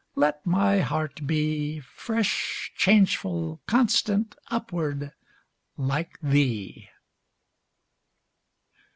Let my heart be Fresh, changeful, constant, Upward, like thee!